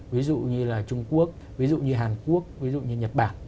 ví dụ như là trung quốc ví dụ như hàn quốc ví dụ như nhật bản